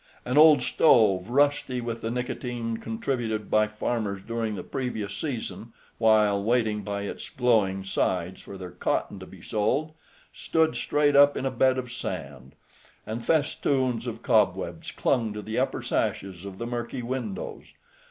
An old stove, rusty with the nicotine contributed by farmers during the previous season while waiting by its glowing sides for their cotton to be sold, stood straight up in a bed of sand, and festoons of cobwebs clung to the upper sashes of the murky windows.